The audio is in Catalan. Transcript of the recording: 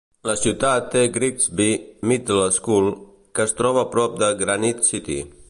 La ciutat té Grigsby Middle School, que es troba a prop de Granite City.